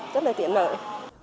thì sẽ tiện lợi